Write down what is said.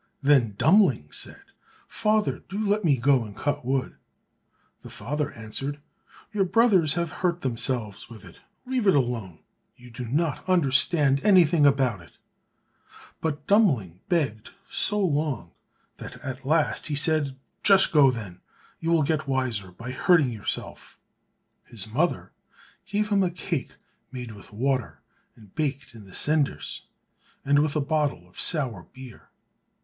Then Dummling said, "Father, do let me go and cut wood." The father answered, "Your brothers have hurt themselves with it, leave it alone, you do not understand anything about it." But Dummling begged so long that at last he said, "Just go then, you will get wiser by hurting yourself." His mother gave him a cake made with water and baked in the cinders, and with it a bottle of sour beer.